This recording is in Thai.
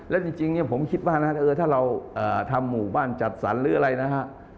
และจริงผมคิดว่านะถ้าเราทำหมู่บ้านจัดสรรหรืออะไรนะฮะ